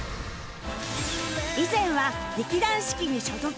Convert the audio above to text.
以前は劇団四季に所属